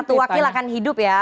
satu wakil akan hidup ya